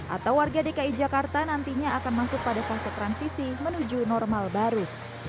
atau warga dki jakarta nantinya akan masuk pada fase transisi menuju normal baru